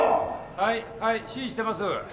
はいはい指示してます。